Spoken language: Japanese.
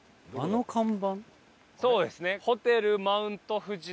そうですね。